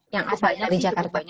yang apa di jakarta